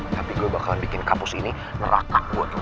tapi gue bakalan bikin kapus ini ngerakak buat lu